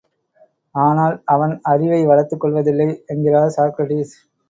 ஆனால், அவன் அறிவை வளர்த்துக் கொள்வதில்லை என்கிறார் சாக்ரடீஸ்.